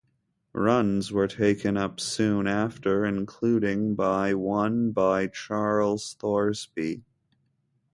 Runs were taken up soon after, including by one by Charles Throsby.